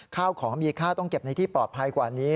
ข้าวของมีค่าต้องเก็บในที่ปลอดภัยกว่านี้